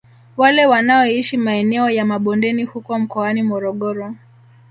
Wale wanaoishi maeneo ya mabondeni huko mkoani Morogoro